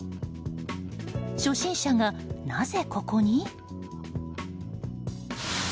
初心者が、なぜここに？